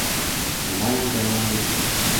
成班 𡃁 仔 𡃁 妹